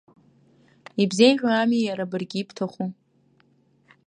Ибзеиӷьу ами иара баргьы ибҭаху.